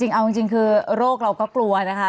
เอาจริงคือโรคเราก็กลัวนะคะ